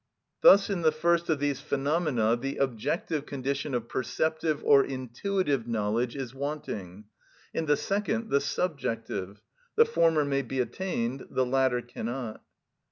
Thus in the first of these phenomena the objective condition of perceptive or intuitive knowledge is wanting; in the second the subjective; the former may be attained, the latter cannot.